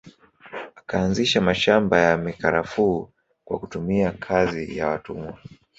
Akaanzisha mashamba ya mikarafuu kwa kutumia kazi ya watumwa